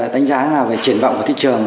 đánh giá nào về triển vọng của thị trường